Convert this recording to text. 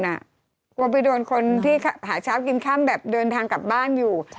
กลัวไปโดนคนที่หาเช้ากินค่ำแบบเดินทางกลับบ้านอยู่